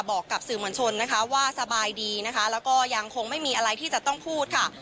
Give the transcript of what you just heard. บอกกับสื่อมวลชนนะคะว่าสบายดีนะคะแล้วก็ยังคงไม่มีอะไรที่จะต้องพูดค่ะ